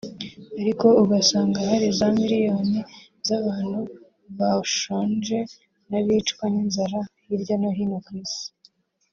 ariko ugasanga hari za miliyoni z’abantu bashonje n’abicwa n’inzara hirya no hino kw’isi